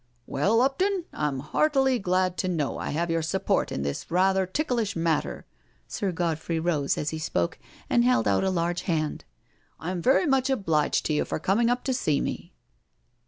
" Well, Hopton, I'm heartily glad to know I have your support in this rather ticklish matter." Sir God frey rose as he spoke, and held out a large hand. " I am very much obliged to you for coming up to see me."